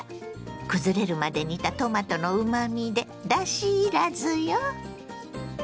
くずれるまで煮たトマトのうまみでだしいらずよ。